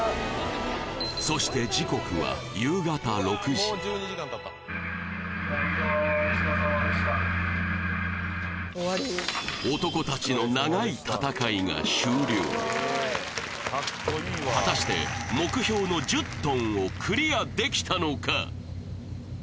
そして時刻は夕方６時男たちの長い戦いが終了果たして目標の１０トンをクリアできたのか？